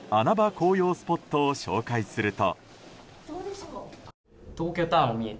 紅葉スポットを紹介すると。